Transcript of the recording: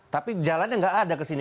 tapi jalannya nggak ada kesini